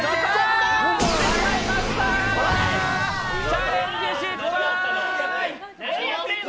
チャレンジ失敗！